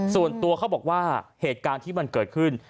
ส่วนตัวเขาบอกว่าเหตุการณ์ที่มันเกิดขึ้น